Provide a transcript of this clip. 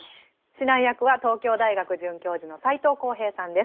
指南役は東京大学准教授の斎藤幸平さんです。